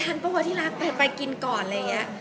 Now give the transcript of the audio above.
ทานประมาทที่รักไปกินก่อนอะไรเงี้ย